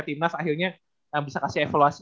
timnas akhirnya yang bisa kasih evaluasi